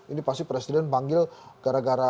ini pasti presiden panggil gara gara